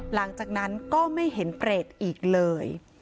หลังจากนั้นก็ไม่เห็นเปรตอีกเลย